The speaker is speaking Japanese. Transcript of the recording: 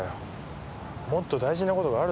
もっと大事なことがあるだろ。